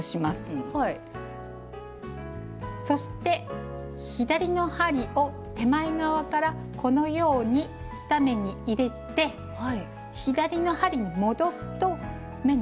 そして左の針を手前側からこのように２目に入れて左の針に戻すと目の順番が変わります。